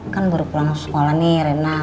kan baru pulang sekolah nih rena